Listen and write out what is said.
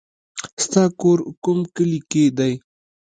ستا کور کوم کلي کې دی